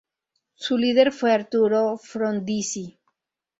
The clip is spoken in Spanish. Su líder fue Arturo Frondizi.